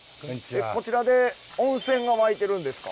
こちらで温泉が湧いてるんですか？